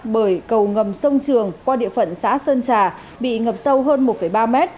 bởi cầu ngầm sông trường qua địa phận xã sơn trà bị ngập sâu hơn một ba mét